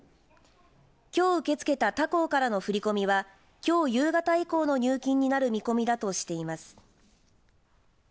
きょう受け付けた他行からの振り込みはきょう夕方以降の入金になる見込みだとしています。